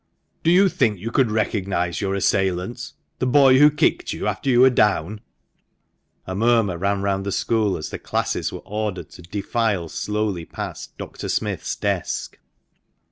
"Do you think you could recognise your assailant — the boy who kicked you after you were down ?" (a murmur ran round the school as the classes were ordered to defile slowly past Dr. Smith's desk).